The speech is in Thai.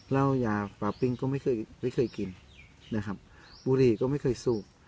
เหล้ายาปลาปิ้งก็ไม่เคยไม่เคยกินนะครับบุหรี่ก็ไม่เคยสูบ